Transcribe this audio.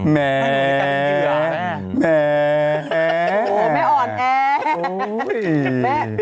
แม่แม่แอ